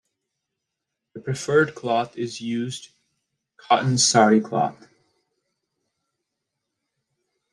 The preferred cloth is used cotton sari cloth.